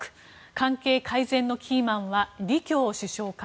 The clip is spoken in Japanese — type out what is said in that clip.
関係改善のキーマンは李強首相か。